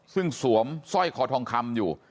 ซึ่งสวมสร้อยคอทองคำอยู่